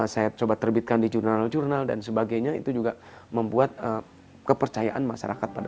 saya meneliti di kampung kampung adaan